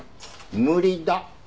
無理だ。